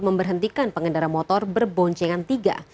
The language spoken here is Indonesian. memberhentikan pengendara motor berboncengan tiga